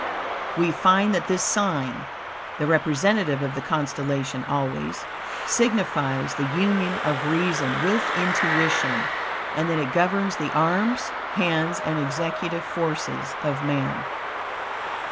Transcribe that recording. We find that this sign (the representative of the constellation always) signifies the union of reason with intuition, and that it governs the arms, hands and executive forces of man.